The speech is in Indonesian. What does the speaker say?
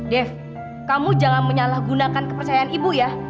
dev kamu jangan menyalahgunakan kepercayaan ibu ya